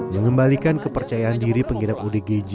mengembalikan kepercayaan diri pengginep odgj juga menjadi perhatian kami